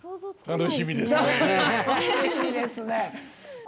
楽しみですね。